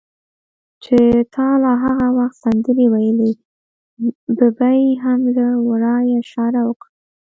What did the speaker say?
چې تا لا هغه وخت سندرې ویلې، ببۍ هم له ورایه اشاره وکړه.